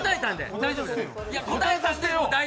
答えさせてよ。